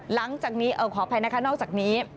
หลังจากนี้ขออภัยนะคะนอกจากนี้